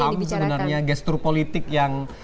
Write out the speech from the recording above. paham sebenarnya gestur politik yang